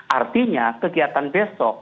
artinya kegiatan besok